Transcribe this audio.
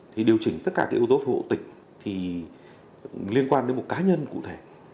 thì điều chỉnh tất cả các yếu tố hộ tịch thì liên quan đến một cá nhân cụ thể